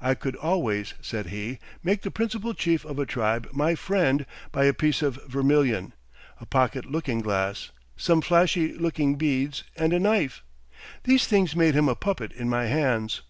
"I could always," said he, "make the principal chief of a tribe my friend by a piece of vermilion, a pocket looking glass, some flashy looking beads, and a knife. These things made him a puppet in my hands."